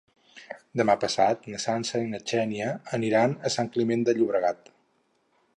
Demà passat na Sança i na Xènia aniran a Sant Climent de Llobregat.